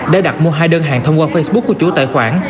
để đặt mua hai đơn hàng thông qua facebook của chủ tài khoản